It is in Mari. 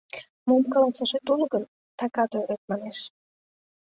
«Мо каласышашет уло гын, такат ойлет, манеш.